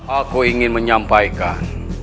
aku ingin menyampaikan